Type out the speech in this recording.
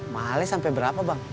mahalnya sampai berapa bang